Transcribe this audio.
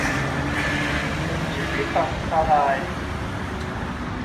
ถึงชีวิตันตราย